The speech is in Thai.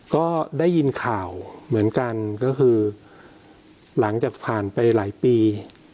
ก็ได้ยินข่าวเหมือนกันก็คือหลังจากผ่านไปหลายปี